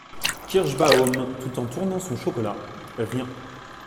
Kirschbaum, tout en tournant son chocolat. — Rien !